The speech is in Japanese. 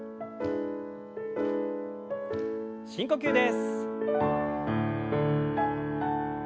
深呼吸です。